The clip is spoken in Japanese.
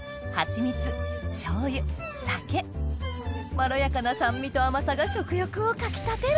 ・まろやかな酸味と甘さが食欲をかき立てる！